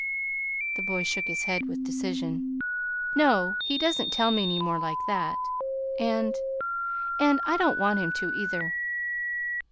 The boy shook his head with decision. "No, he doesn't tell me any more like that, and and I don't want him to, either."